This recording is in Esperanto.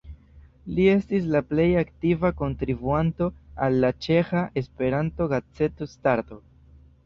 Li estis la plej aktiva kontribuanto al la ĉeĥa Esperanto-gazeto Starto.